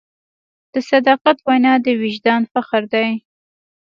د صداقت وینا د وجدان فخر دی.